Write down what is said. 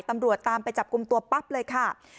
ตำรวจตามไปจับกลุ่มตัวปั๊บเลยค่ะ